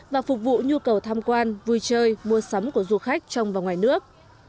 và phục vụ nhu cầu tham quan vui chơi mua sắm của du khách trong và ngoài nước